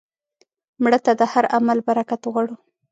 مړه ته د هر عمل برکت غواړو